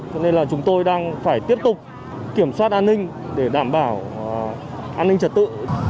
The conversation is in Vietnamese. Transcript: cho nên là chúng tôi đang phải tiếp tục kiểm soát an ninh để đảm bảo an ninh trật tự